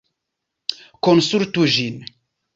Konsultu ĝin!